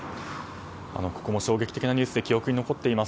ここも衝撃的なニュースで記憶に残っています。